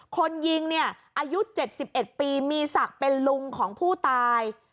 คนยิงเนี่ยอายุ๗๑ปีมีศักดิ์เป็นลุงของผู้ตาย